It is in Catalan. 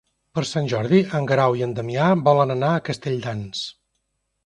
Per Sant Jordi en Guerau i en Damià volen anar a Castelldans.